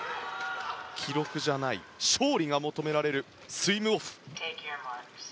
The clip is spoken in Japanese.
記録じゃない勝利が求められるスイムオフ。